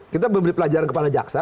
kita memberi pelajaran kepada jaksa